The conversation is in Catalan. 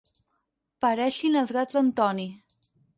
Pareixin els gats d'en Toni.